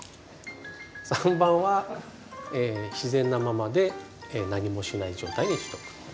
３番は自然なままで何もしない状態にしとく。